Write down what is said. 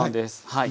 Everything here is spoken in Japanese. はい。